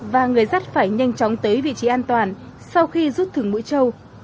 và người dắt phải nhanh chóng tới vị trí an toàn sau khi rút thửng mũi trâu